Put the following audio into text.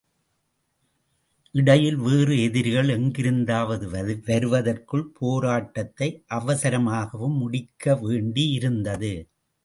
இடையில் வேறு எதிரிகள் எங்கிருந்தாவது வருதற்குள் போராட்டத்தை அவசரமாகவும் முடிக்க வேண்டியிருந்தது.